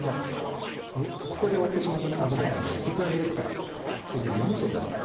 ここで割ってしまうと危ないので器に入れてから入れるようにしてください。